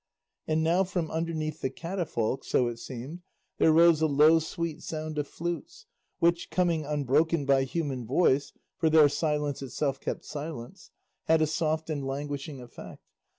And now from underneath the catafalque, so it seemed, there rose a low sweet sound of flutes, which, coming unbroken by human voice (for there silence itself kept silence), had a soft and languishing effect.